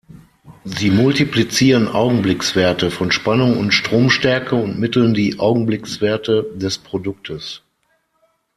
Sie multiplizieren Augenblickswerte von Spannung und Stromstärke und mitteln die Augenblickswerte des Produktes.